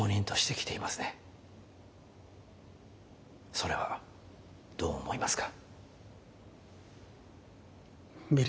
それはどう思いますか？